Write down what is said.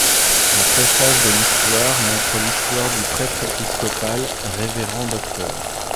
La préface de l'histoire montre l'histoire du prêtre épiscopal Révérend Dr.